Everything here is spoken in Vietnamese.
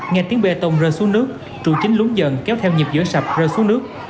nghe tiếng bê tông rơi xuống nước trụ chính lún dần kéo theo nhịp giữa sập rơi xuống nước